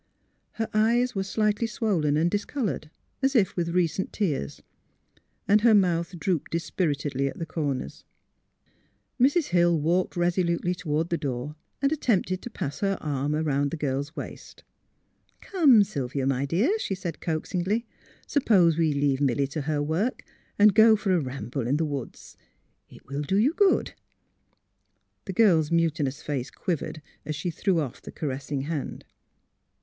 Her eyes were slightly swollen and discoloured, as if with recent tears, and her mouth drooped dispiritedly at the corners. Mrs. Hill walked resolutely toward the door and attempted to pass her arm about the girl's waist. '' Come, Sylvia, my dear," she said, coaxingly, '' suppose we leave Milly to her work and go for a ramble in the woods. It will do you good," The girl 's mutinous face quivered as she threw off the caressing hand.